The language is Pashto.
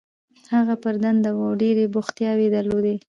هغه پر دنده وه او ډېرې بوختیاوې یې درلودې.